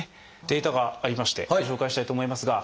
データがありましてご紹介したいと思いますが。